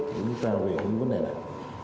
để giúp tạo về những vấn đề này